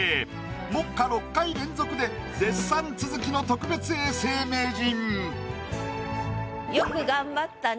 目下６回連続で絶賛続きの特別永世名人。